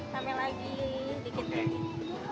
rame lagi dikit dikit